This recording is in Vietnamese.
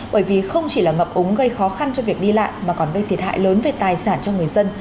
bởi vì không chỉ là ngập ống gây khó khăn cho việc đi lại mà còn gây thiệt hại lớn về tài sản cho người dân